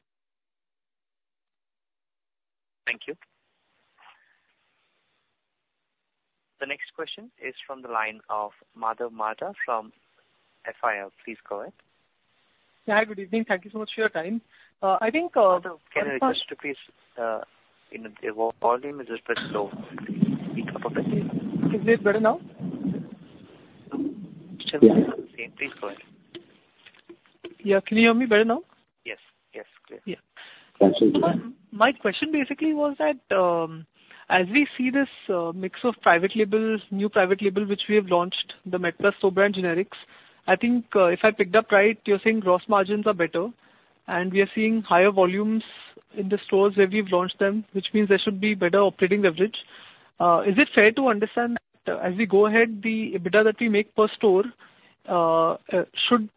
Thank you. The next question is from the line of Madhav Marda from FIL. Please go ahead.
Hi. Good evening. Thank you so much for your time. I think.
Madhav, can I just repeat the volume? Is it pretty low?
Is it better now?
Still the same. Please go ahead.
Yeah. Can you hear me better now?
Yes. Yes. Clear.
Yeah. Thanks. My question basically was that as we see this mix of new private label which we have launched, the MedPlus store brand generics, I think if I picked up right, you're saying gross margins are better. We are seeing higher volumes in the stores where we've launched them, which means there should be better operating leverage. Is it fair to understand that as we go ahead, the EBITDA that we make per store should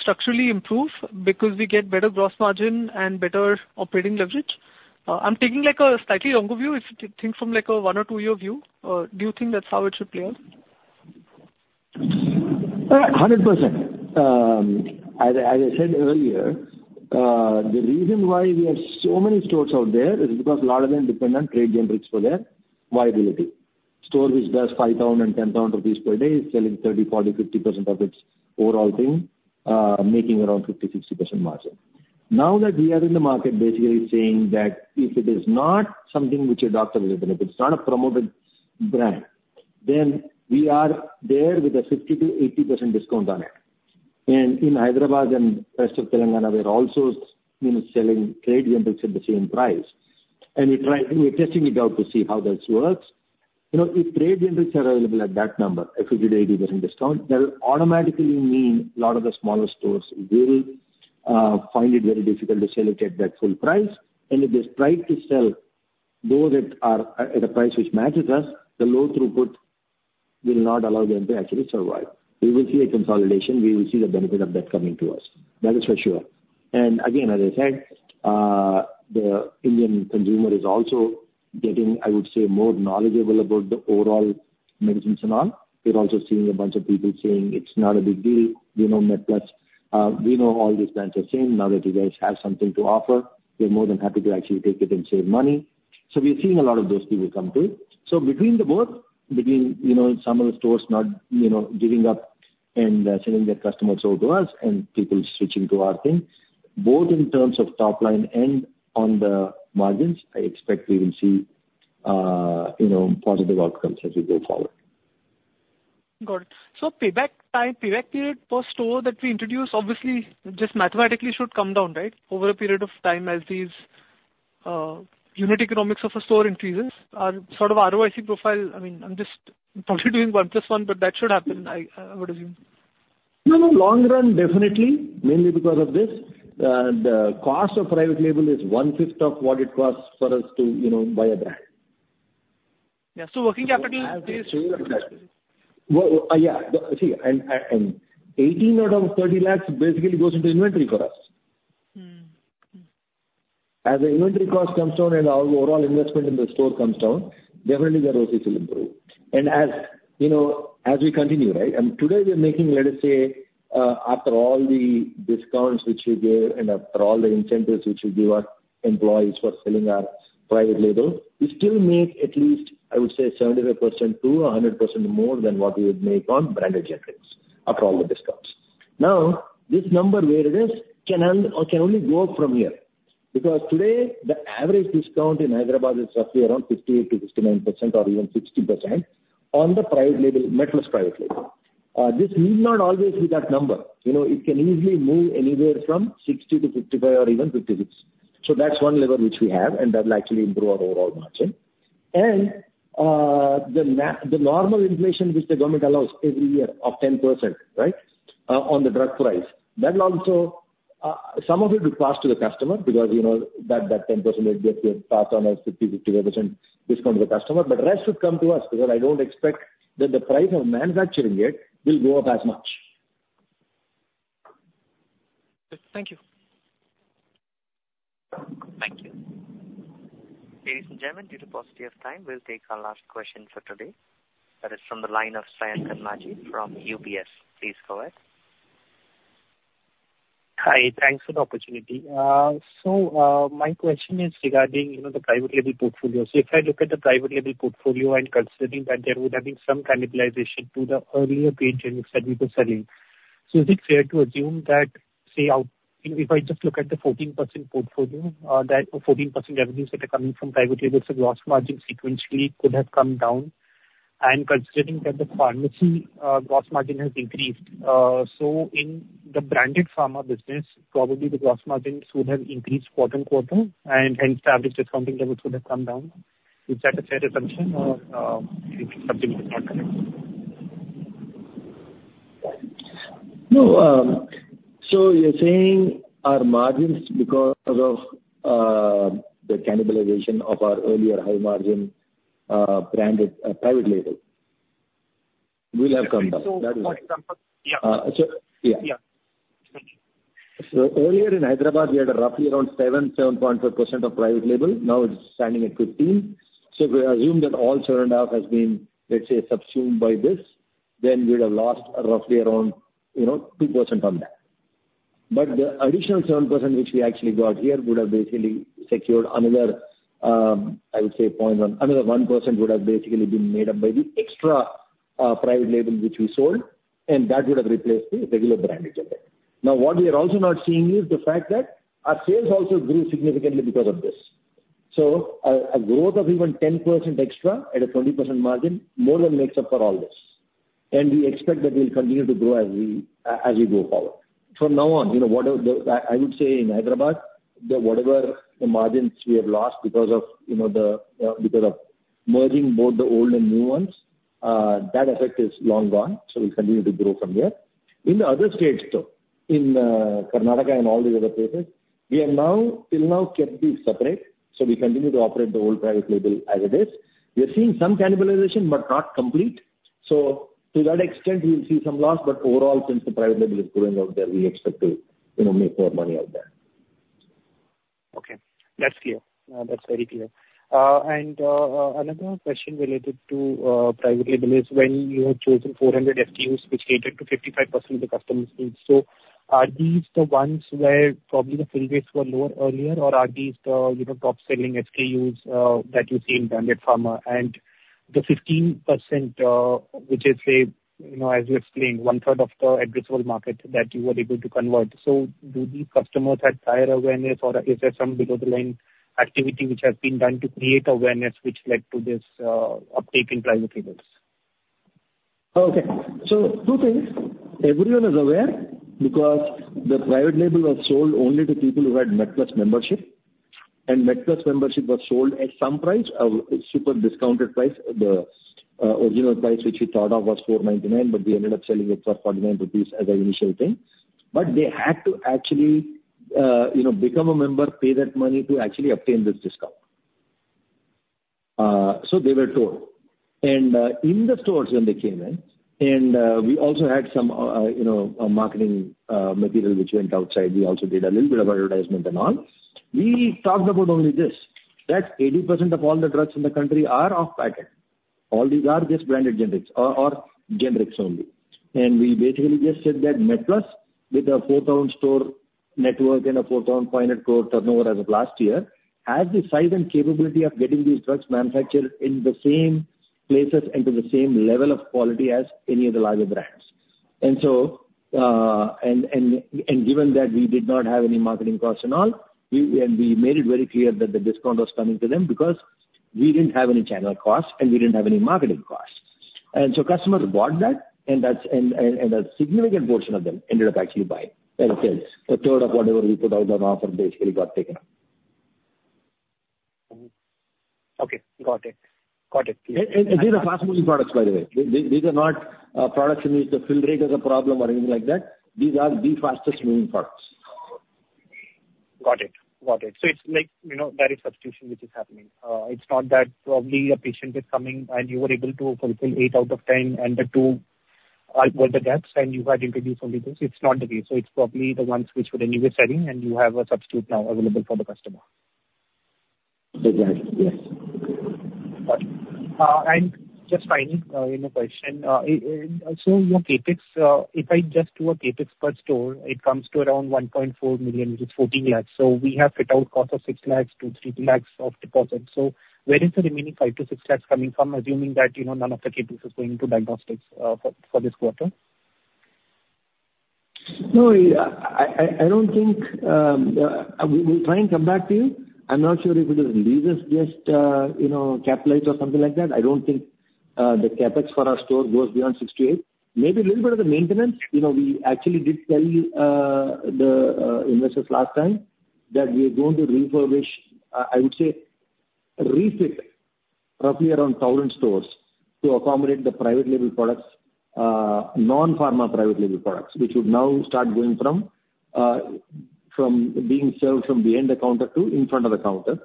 structurally improve because we get better gross margin and better operating leverage? I'm taking a slightly longer view. If you think from a one or two year view, do you think that's how it should play out?
100%. As I said earlier, the reason why we have so many stores out there is because a lot of them depend on trade generics for their viability. Store which does 5,000, 10,000 rupees per day is selling 30%, 40%, 50% of its overall thing, making around 50%, 60% margin. Now that we are in the market basically saying that if it is not something which you adopt a little bit, it's not a promoted brand, then we are there with a 50%-80% discount on it. And in Hyderabad and rest of Telangana, we are also selling trade generics at the same price. And we're testing it out to see how this works. If trade generics are available at that number, a 50%-80% discount, that will automatically mean a lot of the smaller stores will find it very difficult to sell it at that full price. And if they try to sell those at a price which matches us, the low throughput will not allow them to actually survive. We will see a consolidation. We will see the benefit of that coming to us. That is for sure. And again, as I said, the Indian consumer is also getting, I would say, more knowledgeable about the overall medicines and all. We're also seeing a bunch of people saying it's not a big deal. We know Medplus. We know all these brands are same. Now that you guys have something to offer, we're more than happy to actually take it and save money. So we're seeing a lot of those people come too. So between the both, between some of the stores not giving up and selling their customers over to us and people switching to our thing, both in terms of top line and on the margins, I expect we will see positive outcomes as we go forward.
Good. So payback time, payback period per store that we introduce, obviously, just mathematically should come down, right, over a period of time as these unit economics of a store increases. Sort of ROIC profile I mean, I'm just probably doing one plus one, but that should happen, I would assume.
No, no. Long run, definitely, mainly because of this. The cost of private label is 1/5 of what it costs for us to buy a brand.
Yeah. So working capital is.
Yeah. See, and 18 lakhs out of 30 lakhs basically goes into inventory for us. As the inventory cost comes down and our overall investment in the store comes down, definitely, the ROCEs will improve. And as we continue, right, and today, we're making, let us say, after all the discounts which we give and after all the incentives which we give our employees for selling our private label, we still make at least, I would say, 75%-100% more than what we would make on branded generics after all the discounts. Now, this number where it is can only go up from here because today, the average discount in Hyderabad is roughly around 58%-59% or even 60% on the private label, MedPlus private label. This need not always be that number. It can easily move anywhere from 60%-55% or even 56%. So that's one lever which we have, and that will actually improve our overall margin. And the normal inflation which the government allows every year of 10%, right, on the drug price, that will also some of it will pass to the customer because that 10% will get passed on as 50%-55% discount to the customer. But the rest would come to us because I don't expect that the price of manufacturing it will go up as much.
Thank you.
Thank you. Ladies and gentlemen, due to paucity of time, we'll take our last question for today. That is from the line of Sayantan Maji from UBS. Please go ahead.
Hi. Thanks for the opportunity. So my question is regarding the private label portfolio. So if I look at the private label portfolio and considering that there would have been some cannibalization to the earlier trade generics that we were selling, so is it fair to assume that, say, if I just look at the 14% portfolio, that 14% revenues that are coming from private labels and gross margin sequentially could have come down? And considering that the pharmacy gross margin has increased, so in the branded pharma business, probably the gross margins would have increased quarter-on-quarter, and hence, the average discounting level should have come down. Is that a fair assumption or is it something that's not correct?
No. So you're saying our margins because of the cannibalization of our earlier high margin private label will have come down. That is what.
So for example, yeah.
Yeah. So earlier in Hyderabad, we had roughly around 7%-7.5% of private label. Now, it's standing at 15%. So if we assume that all 7.5% has been, let's say, subsumed by this, then we would have lost roughly around 2% on that. But the additional 7% which we actually got here would have basically secured another, I would say, point on another 1% would have basically been made up by the extra private label which we sold. And that would have replaced the regular branded generic. Now, what we are also not seeing is the fact that our sales also grew significantly because of this. So a growth of even 10% extra at a 20% margin more than makes up for all this. And we expect that we'll continue to grow as we go forward. From now on, I would say in Hyderabad, whatever the margins we have lost because of merging both the old and new ones, that effect is long gone. So we'll continue to grow from there. In the other states, though, in Karnataka and all these other places, we have now till now kept these separate. So we continue to operate the old private label as it is. We are seeing some cannibalization but not complete. So to that extent, we'll see some loss. But overall, since the private label is growing out there, we expect to make more money out there.
Okay. That's clear. That's very clear. Another question related to private label is when you have chosen 400 SKUs which cater to 55% of the customers' needs. So are these the ones where probably the fill rates were lower earlier, or are these the top-selling SKUs that you see in branded pharma? And the 15% which is, say, as you explained, one-third of the addressable market that you were able to convert, so do these customers have higher awareness, or is there some below-the-line activity which has been done to create awareness which led to this uptake in private labels?
Okay. So two things. Everyone is aware because the private label was sold only to people who had MedPlus membership. And MedPlus membership was sold at some price, a super discounted price. The original price which we thought of was 499, but we ended up selling it for 49 rupees as an initial thing. But they had to actually become a member, pay that money to actually obtain this discount. So they were told. And in the stores when they came in, and we also had some marketing material which went outside. We also did a little bit of advertisement and all. We talked about only this, that 80% of all the drugs in the country are off-patent. All these are just branded generics or generics only. We basically just said that MedPlus, with a 4,000-store network and a 4,500 crore turnover as of last year, has the size and capability of getting these drugs manufactured in the same places and to the same level of quality as any of the larger brands. And given that we did not have any marketing costs and all, and we made it very clear that the discount was coming to them because we didn't have any channel costs, and we didn't have any marketing costs. And so customers bought that, and a significant portion of them ended up actually buying. That is, 1/3 of whatever we put out on offer basically got taken up.
Okay. Got it. Got it.
These are fast-moving products, by the way. These are not products in which the fill rate is a problem or anything like that. These are the fastest-moving products.
Got it. Got it. So it's like there is substitution which is happening. It's not that probably a patient is coming, and you were able to fulfill 8 out of 10, and the two were the gaps, and you had introduced only those. It's not the case. So it's probably the ones which were in your setting, and you have a substitute now available for the customer.
Exactly. Yes.
Got it. Just finally, in a question, so your CapEx, if I just do a CapEx per store, it comes to around 1.4 million, which is 14 lakhs. We have fit out cost of 6 lakhs-3 lakhs of deposit. Where is the remaining 5-6 lakhs coming from, assuming that none of the CapEx is going into diagnostics for this quarter?
No, I don't think we'll try and come back to you. I'm not sure if it is leases, just capitalized, or something like that. I don't think the CapEx for our store goes beyond 6 to 8. Maybe a little bit of the maintenance. We actually did tell the investors last time that we are going to refurbish, I would say, refit roughly around 1,000 stores to accommodate the private label products, non-pharma private label products, which would now start going from being served from behind the counter to in front of the counter.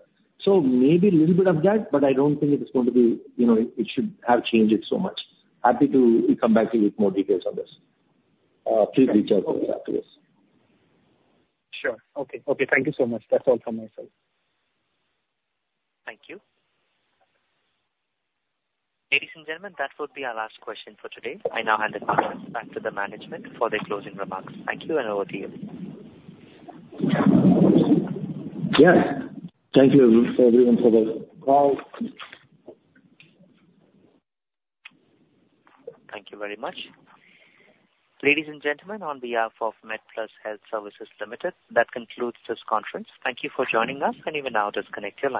So maybe a little bit of that, but I don't think it is going to be it should have changed it so much. Happy to come back to you with more details on this. Please reach out to us after this.
Sure. Okay. Okay. Thank you so much. That's all from myself.
Thank you. Ladies and gentlemen, that would be our last question for today. I now hand it back to the management for their closing remarks. Thank you, and over to you.
Yes. Thank you, everyone, for the call.
Thank you very much. Ladies and gentlemen, on behalf of MedPlus Health Services Limited, that concludes this conference. Thank you for joining us. And even now, just connect your line.